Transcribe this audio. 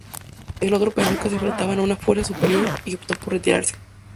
El otro pensó que se enfrentaban a una fuerza superior y optó por retirarse.